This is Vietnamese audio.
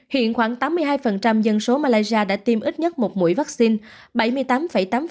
hiện khoảng tám mươi hai dân số malaysia đã tiêm ít nhất một mũi vaccine